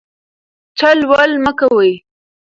چل ول مه کوئ.